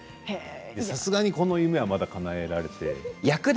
さすがにこの夢はまだかなえられていなくて。